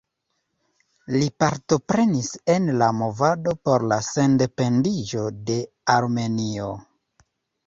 Li partoprenis en la movado por la sendependiĝo de Armenio.